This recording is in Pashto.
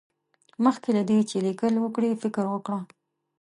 مخکې له دې چې ليکل وکړې، فکر وکړه.